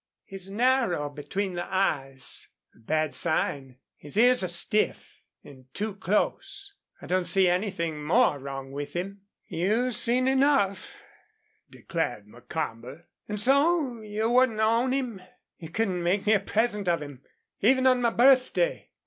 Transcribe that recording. He's narrow between the eyes a bad sign. His ears are stiff and too close. I don't see anything more wrong with him." "You seen enough," declared Macomber. "An' so you wouldn't own him?" "You couldn't make me a present of him even on my birthday."